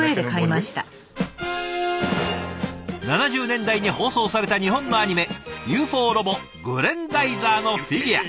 ７０年代に放送された日本のアニメ「ＵＦＯロボグレンダイザー」のフィギュア。